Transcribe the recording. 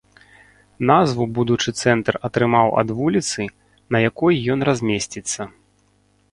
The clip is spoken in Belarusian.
Назву будучы цэнтр атрымаў ад вуліцы, на якой ён размесціцца.